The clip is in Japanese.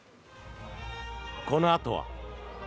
このあとは。